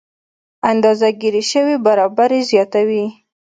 اندازه ګیره شوې برابري زیاتوي.